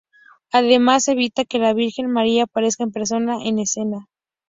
Además evita que la Virgen María aparezca en persona en escena.